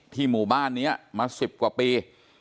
ที่หมู่บ้านเนี่ยมา๑๐กว่าปี